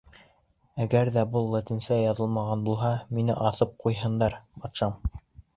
— Әгәр ҙә был латинса яҙылмаған булмаһа, мине аҫып ҡуйһындар, батшам!